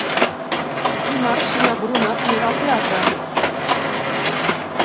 Dimarts na Bruna anirà al teatre.